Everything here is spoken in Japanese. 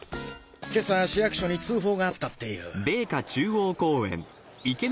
今朝市役所に通報があったっていう。